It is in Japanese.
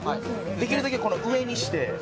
できるだけこの上にして。